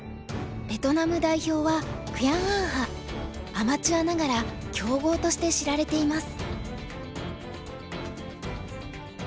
アマチュアながら強豪として知られています。